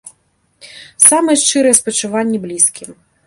Самыя шчырыя спачуванні блізкім.